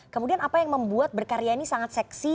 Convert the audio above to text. kemudian apa yang membuat berkarya ini sangat seksi